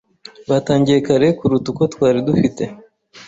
Batangiye kare kuruta uko twari dufite.